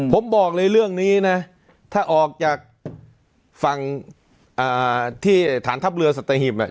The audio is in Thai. ผมบอกเลยเรื่องนี้นะถ้าออกจากฝั่งที่ฐานทัพเรือสัตหิบเนี่ย